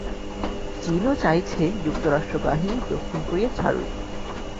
চীনও চাইছে যুক্তরাষ্ট্র বাহিনী দক্ষিণ কোরিয়া ছাড়ুক।